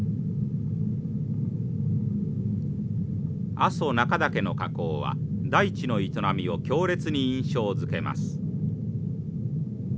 阿蘇中岳の火口は大地の営みを強烈に印象づけます。